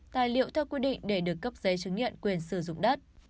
tài liệu theo quy định để được cấp giấy chứng nhận quyền sử dụng đất